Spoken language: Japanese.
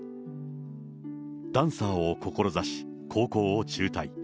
ダンサーを志し高校を中退。